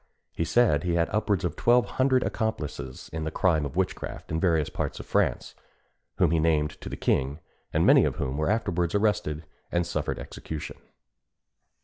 He said he had upwards of twelve hundred accomplices in the crime of witchcraft in various parts of France, whom he named to the king, and many of whom were afterwards arrested and suffered execution.